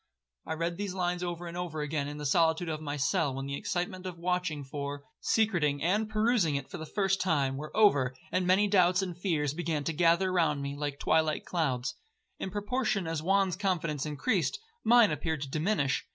'I read these lines over and over again in the solitude of my cell, when the excitement of watching for, secreting, and perusing it for the first time, were over, and many doubts and fears began to gather round me like twilight clouds. In proportion as Juan's confidence increased, mine appeared to diminish.